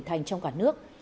thành trong cả nước